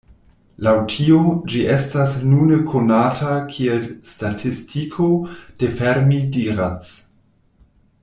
Laŭ tio, ĝi estas nune konata kiel Statistiko de Fermi–Dirac.